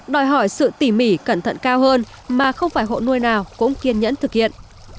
đòi hỏi sự tỉ mỉ cẩn thận cao hơn mà không phải hộ nuôi nào cũng kiên nhẫn thực hiện